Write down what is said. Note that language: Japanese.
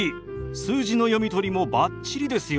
数字の読み取りもバッチリですよ。